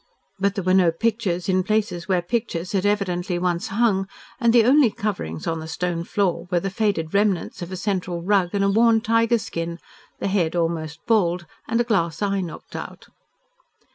But there were no pictures in places where pictures had evidently once hung, and the only coverings on the stone floor were the faded remnants of a central rug and a worn tiger skin, the head almost bald and a glass eye knocked out.